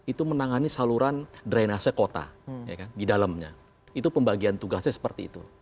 itu menangani saluran drainase kota di dalamnya itu pembagian tugasnya seperti itu